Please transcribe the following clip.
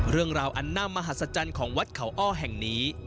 เรื่องราวอันน่ามหสจรรย์ของวัดเขาอ้อแห่งนี้